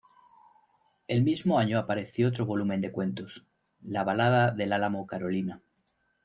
El mismo año apareció otro volumen de cuentos, "La balada del álamo carolina".